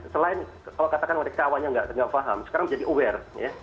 selain kalau katakan mereka awalnya nggak paham sekarang jadi aware